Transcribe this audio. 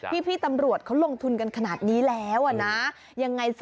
พี่ตำรวจเขาลงทุนกันขนาดนี้แล้วนะ